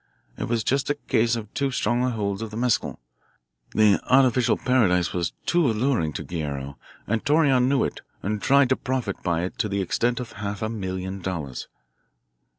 It was just a case of too strong a hold of the mescal the artificial paradise was too alluring to Guerrero, and Torreon knew it and tried to profit by it to the extent of half a million dollars."